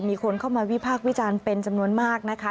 มีคนเข้ามาวิพากษ์วิจารณ์เป็นจำนวนมากนะคะ